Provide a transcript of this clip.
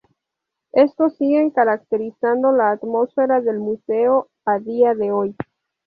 Estos siguen caracterizando la atmósfera del museo a día de hoy.